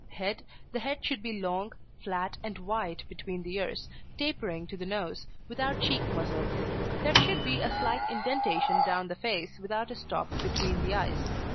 HEAD The head should be long, flat, and wide between the ears, tapering to the nose, without cheek muscles. There should be a slight indentation down the face, without a stop between the eyes.